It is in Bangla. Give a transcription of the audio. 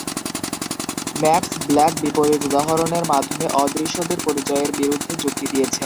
ম্যাক্স ব্ল্যাক বিপরীত উদাহরণের মাধ্যমে অদৃশ্যদের পরিচয়ের বিরুদ্ধে যুক্তি দিয়েছেন।